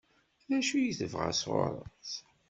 D acu i tebɣa sɣur-s?